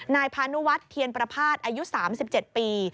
นายพานุวัฒน์เทียนประพาทอายุ๓๗ปี